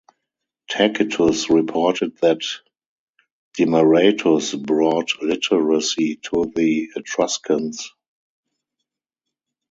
Tacitus reported that Demaratus brought literacy to the Etruscans.